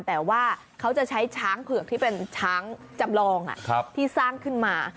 แต่ว่าเขาจะใช้ช้างเผือกที่เป็นช้างจำลองที่สร้างขึ้นมา